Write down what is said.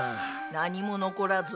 何も残らず。